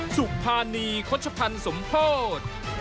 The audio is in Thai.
สุภาณีคชพรรณสมโภต